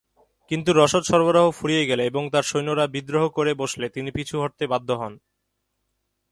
কিন্তু রসদ সরবরাহ ফুরিয়ে গেলে এবং তার সৈন্যরা বিদ্রোহ করে বসলে তিনি পিছু হটতে বাধ্য হন।